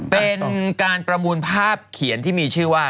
เป็นการประมูลภาพเขียนที่มีชื่อว่า